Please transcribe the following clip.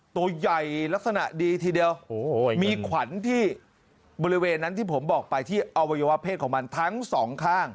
ตัวใหญ่ลักษณะดีทีเดียวมีขวัญที่บริเวณนั้นที่ผมบอกไปที่อวัยวะเพศของมันทั้งสองข้าง